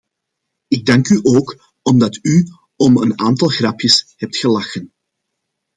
Ik dank u ook omdat u om een aantal grapjes hebt gelachen.